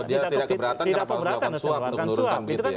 kalau dia tidak keberatan kenapa dia harus melakukan swap